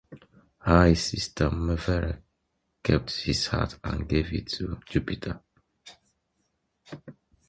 His sister Minerva kept his heart and gave it to Jupiter.